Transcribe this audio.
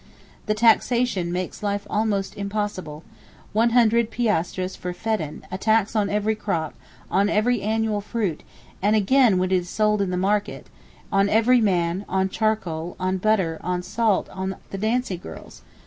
The taxation makes life almost impossible—100 piastres per feddan, a tax on every crop, on every annual fruit, and again when it is sold in the market; on every man, on charcoal, on butter, on salt, on the dancing girls.